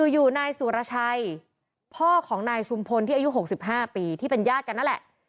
อยู่นายสุรชัยพ่อของนายชุมพลที่อายุ๖๕ปีที่เป็นญาติกันนั่นแหละ